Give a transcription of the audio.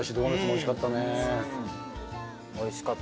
おいしかった。